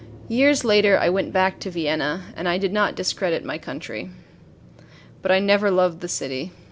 Years later I went back to Vienna, and I did not discredit my country. But I never loved the city.